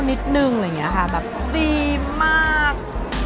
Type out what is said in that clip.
นิดหนึ่งอย่างเงี้ยค่ะแบบฟรีมาก